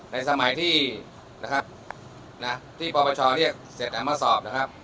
ในสมัยที่นะครับที่ปปชเรียกเสร็จมาสอบนะครับ